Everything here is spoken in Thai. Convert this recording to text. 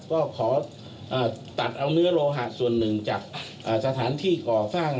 ก็ขอตัดเอาเนื้อโลหะส่วนหนึ่งจากสถานที่ก่อสร้าง